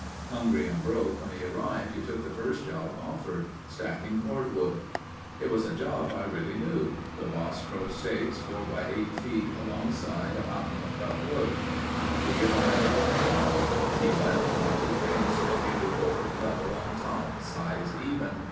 Hungry and broke when he arrived he took the first job offered—stacking cord wood. "It was a job I really knew. The boss drove stakes 4×8 feet alongside a mountain of cut wood. I figured I had a long job. He left and I took pains to make every cord level on top, sides even.